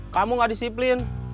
kamu tidak disiplin